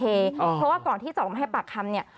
เพราะว่าก่อนที่จะออกมาให้ปากคำเนี่ย